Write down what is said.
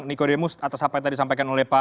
niko demus atas apa yang tadi disampaikan oleh pak